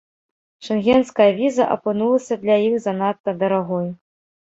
Шэнгенская віза апынулася для іх занадта дарагой.